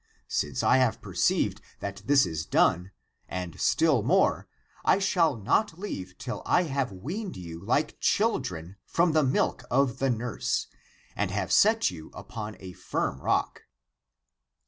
Since I have perceived that this is done, and still more, I shall not leave till I have weaned you like children from the milk of the nurse, and have set you upon a firm rock."